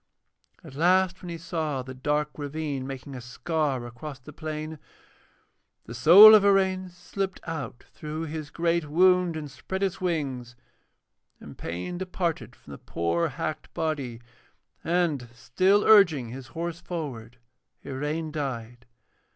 At last when he saw the dark ravine making a scar across the plain, the soul of Iraine slipped out through his great wound and spread its wings, and pain departed from the poor hacked body, and, still urging his horse forward, Iraine died.